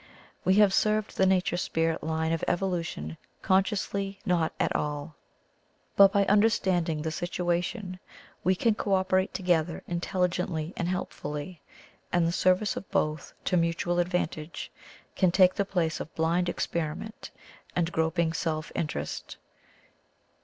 We have served the nature spirit line of evolution consciously not at all, but by understanding the situation we can co operate together intelligently and helpfully, and the service of both to mutual advantage can take the place of blind experiment and groping self interest."